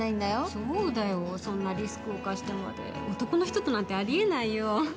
そうだよそんなリスクを冒してまで男のこととなんてありえないよ。